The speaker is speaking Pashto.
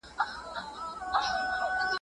د عقل او دین ترمنځ همغږي مهمه ده.